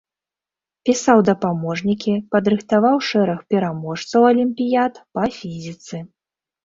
Пісаў дапаможнікі, падрыхтаваў шэраг пераможцаў алімпіяд па фізіцы.